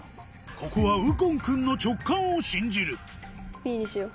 ここは右近君の直感を信じるＢにしよう。